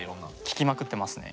聴きまくってますね。